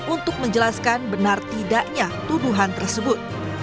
untuk menjelaskan benar tidaknya tuduhan tersebut